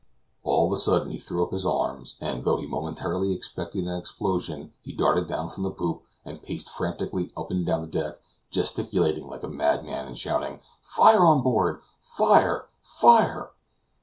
All of a sudden he threw up his arms, and, as though he momentarily expected an explosion, he darted down from the poop, and paced frantically up and down the deck, gesticulating like a madman, and shouting: "Fire on board! Fire! Fire!"